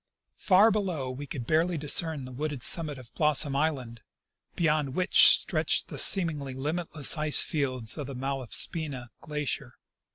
Far below we could barely discern the wooded summit of Blossom island, beyond which stretched the seem ingly limitless ice fields of the Malaspina glacier.